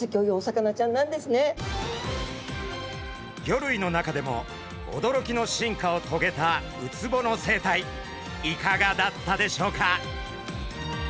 魚類の中でも驚きの進化をとげたウツボの生態いかがだったでしょうか？